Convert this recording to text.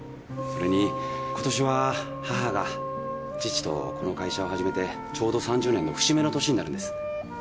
それに今年は母が父とこの会社を始めてちょうど３０年の節目の年になるんです。